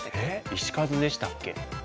石数でしたっけ？